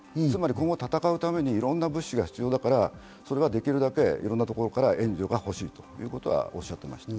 今後、戦うためにいろいろな物資が必要だからできるだけいろんなところから援助が欲しいということはおっしゃっていました。